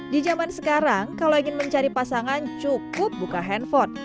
di zaman sekarang kalau ingin mencari pasangan cukup buka handphone